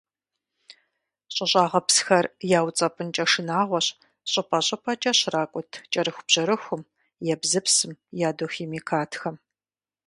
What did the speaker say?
ЩӀыщӀагъыпсхэр яуцӀэпӀынкӀэ шынагъуэщ щӀыпӀэ-щӀыпӀэкӀэ щракӀут кӀэрыхубжьэрыхум, ебзыпсым, ядохимикатхэм.